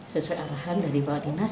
sesuai arahan dari bapak dinas